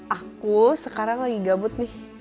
aku sekarang lagi gabut nih